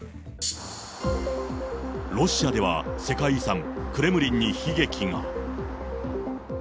ロシアでは世界遺産、クレムリンに悲劇が。